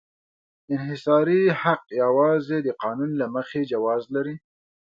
انحصاري حق یوازې د قانون له مخې جواز لري.